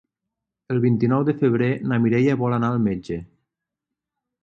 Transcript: El vint-i-nou de febrer na Mireia vol anar al metge.